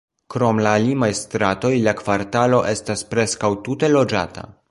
Krom la limaj stratoj, la kvartalo estas preskaŭ tute loĝata.